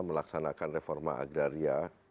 melaksanakan reforma agraria